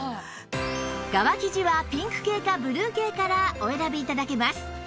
側生地はピンク系かブルー系からお選び頂けます